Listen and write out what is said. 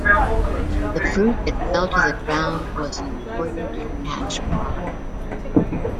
The fruit that fell to the ground was an important cash crop.